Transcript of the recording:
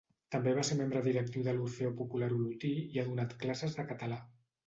També va ser membre directiu de l'Orfeó Popular Olotí i ha donat classes de català.